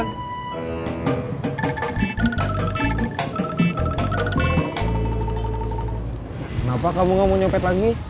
kenapa kamu gak mau nyopet lagi